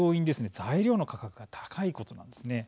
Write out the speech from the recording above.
材料の価格が高いことなんです。